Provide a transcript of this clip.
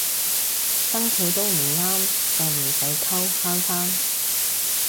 生肖都唔啱就唔使溝慳返